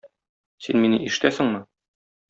Син мине ишетәсеңме?